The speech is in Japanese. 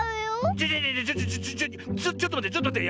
ちょちょちょっとまってちょっとまって。